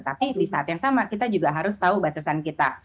tapi di saat yang sama kita juga harus tahu batasan kita